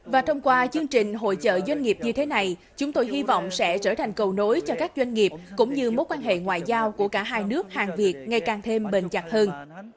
và thông qua chương trình hội trợ doanh nghiệp như thế này chúng tôi hy vọng sẽ trở thành cầu nối cho các doanh nghiệp cũng như mối quan hệ ngoại giao của cả hai nước hàn việt ngày càng thêm bền chặt hơn